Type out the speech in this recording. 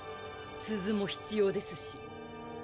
鈴も必要ですし。